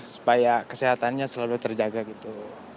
supaya kesehatannya selalu terjaga gitu